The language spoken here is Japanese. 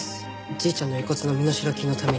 じいちゃんの遺骨の身代金のために。